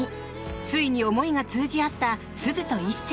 ついに思いが通じ合った鈴と一星。